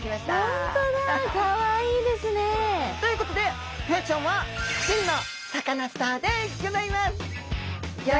本当だかわいいですね。ということでホヤちゃんは真のサカナスターでギョざいます。